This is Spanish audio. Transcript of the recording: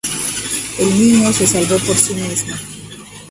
El niño se salvó por sí mismo.